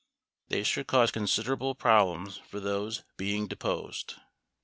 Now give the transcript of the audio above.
They should cause considerable problems for those being deposed.